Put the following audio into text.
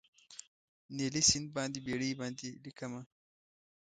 نیلي سیند باندې بیړۍ باندې لیکمه